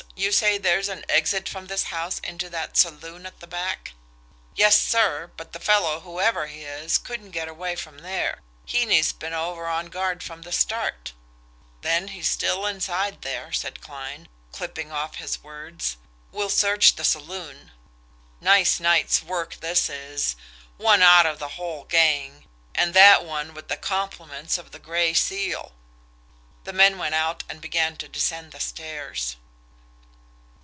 You say there's an exit from this house into that saloon at the back?" "Yes, sir but the fellow, whoever he is, couldn't get away from there. Heeney's been over on guard from the start." "Then he's still inside there," said Kline, clipping off his words. "We'll search the saloon. Nice night's work this is! One out of the whole gang and that one with the compliments of the Gray Seal!" The men went out and began to descend the stairs.